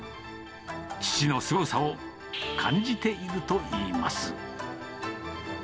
父のすごさを感じているといいます。